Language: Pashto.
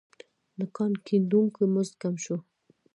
د کان کیندونکو مزد کم شو.